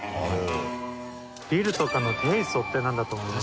ビルとかの「定礎」ってなんだと思います？